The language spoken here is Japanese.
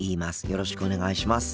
よろしくお願いします。